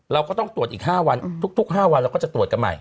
เราก็ต้องตรวจอีก๕วันทุก๕วันเราก็จะตรวจกันใหม่